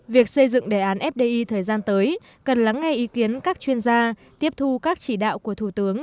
việc xây dựng đề án fdi thời gian tới cần lắng ngay ý kiến các chuyên gia tiếp thu các chỉ đạo của thủ tướng